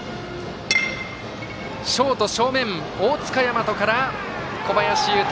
ショート正面大塚和央から小林優太。